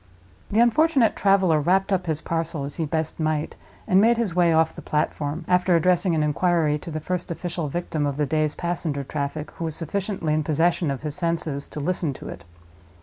The unfortunate traveler wrapped up his parcel as he best might, and made his way off the platform, after addressing an inquiry to the first official victim of the day's passenger traffic, who was sufficiently in possession of his senses to listen to it.